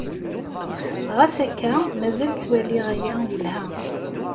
Ɣas akka, mazal ttwaliɣ aya yelha.